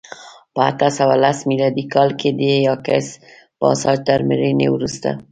په اته سوه لس میلادي کال کې د یاکس پاساج تر مړینې وروسته